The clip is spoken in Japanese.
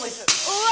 うわ！